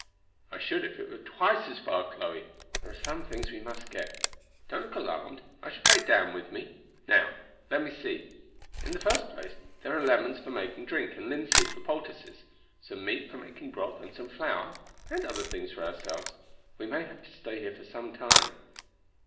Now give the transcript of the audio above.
"I should if it were twice as far, Chloe. There are some things we must get. Don't look alarmed, I shall take Dan with me. Now, let me see. In the first place there are lemons for making drink and linseed for poultices, some meat for making broth, and some flour, and other things for ourselves; we may have to stay here for some time.